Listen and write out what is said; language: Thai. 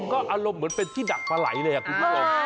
ก็อารมณ์เหมือนเป็นที่ดักปลาไหลเลยคุณผู้ชม